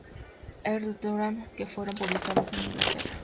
Earl Durham" que fueron publicadas en Inglaterra.